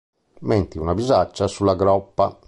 Metti una bisaccia sulla groppa.